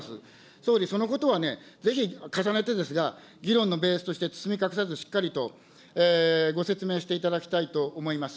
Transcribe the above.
総理、そのことはね、ぜひ重ねてですが、議論のベースとして包み隠さずしっかりと、ご説明していただきたいと思います。